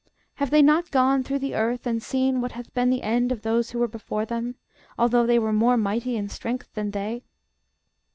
Have they not gone through the earth, and seen what hath been the end of those who were before them; although they were more mighty in strength than they?